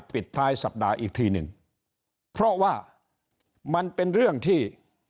ปิดท้ายสัปดาห์อีกทีหนึ่งเพราะว่ามันเป็นเรื่องที่